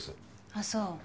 あっそう。